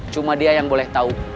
cuma dia yang boleh tahu